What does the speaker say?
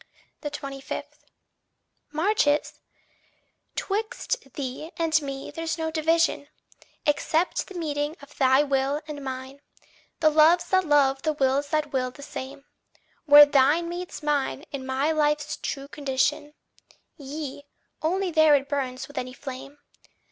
25. Marches? 'Twixt thee and me there's no division, Except the meeting of thy will and mine, The loves that love, the wills that will the same. Where thine meets mine is my life's true condition; Yea, only there it burns with any flame.